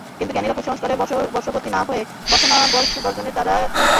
কিন্তু জ্ঞানীরা কুসংস্কারের বশবর্তী না হয়ে বাসনা-বর্জনের দ্বারা জ্ঞাতসারেই এই পন্থার অনুবর্তন করেন।